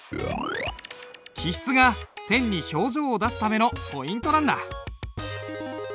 起筆が線に表情を出すためのポイントなんだ。